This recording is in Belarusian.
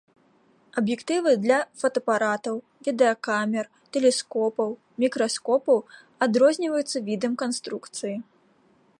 Аб'ектывы для фотаапаратаў, відэакамер, тэлескопаў, мікраскопаў адрозніваюцца відам канструкцыі.